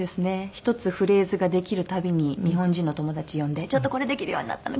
１つフレーズができるたびに日本人の友達呼んで「これできるようになったの！